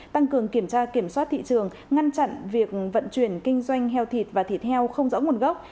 tăng cường kiểm tra kiểm soát thị trường ngăn chặn việc vận chuyển kinh doanh heo thịt và thịt heo không rõ nguồn gốc